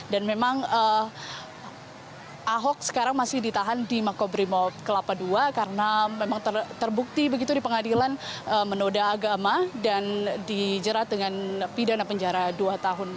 dan memang ahok sekarang masih ditahan di makobrimob kelapa ii karena memang terbukti begitu di pengadilan menoda agama dan dijerat dengan pidana penjara dua tahun